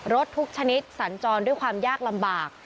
รถทุกชนิดสัญจรด้วยความยากลำบาก